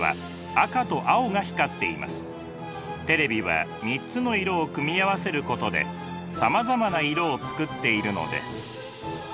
テレビは３つの色を組み合わせることでさまざまな色を作っているのです。